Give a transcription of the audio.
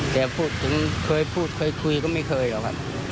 แต่พูดถึงเคยพูดเคยคุยก็ไม่เคยหรอกครับ